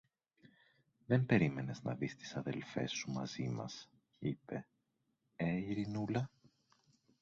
Δεν περίμενες να δεις τις αδελφές σου μαζί μας, είπε, ε, Ειρηνούλα;